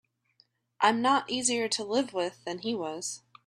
I'm not easier to live with than he was.